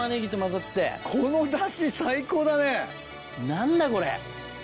何だこれ。